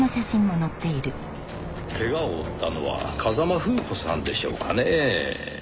怪我を負ったのは風間楓子さんでしょうかねぇ。